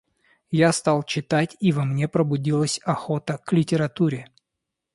Я стал читать, и во мне пробудилась охота к литературе.